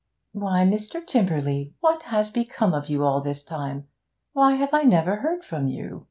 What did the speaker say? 'Why, Mr. Tymperley, what has become of you all this time? Why have I never heard from you?